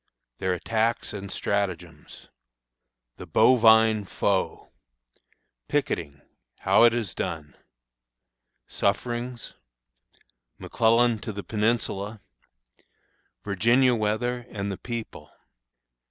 Their Attacks and Stratagems. The Bovine Foe. Picketing; how it is done. Sufferings. McClellan to the Peninsula. Virginia Weather and the People.